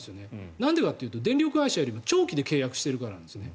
なんでかっていうと電力会社よりも長期で契約しているからなんですね。